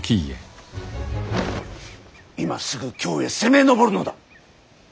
今すぐ京へ攻め上るのだ！